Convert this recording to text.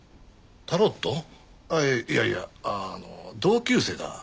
ああいやいやあの同級生だ。